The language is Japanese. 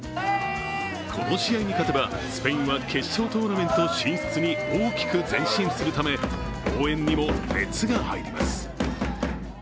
この試合に勝てばスペインは決勝トーナメント進出に大きく前進するため応援にも熱が入ります。